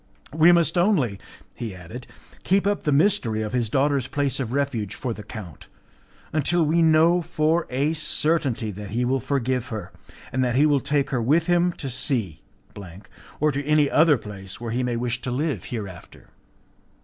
"We must only," he added, "keep up the mystery of his daughter's place of refuge for the count, until we know for a certainty that he will forgive her, and that he will take her with him to C , or to any other place where he may wish to live hereafter."